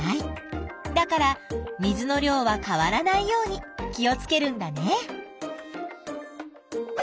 だから水の量は変わらないように気をつけるんだね。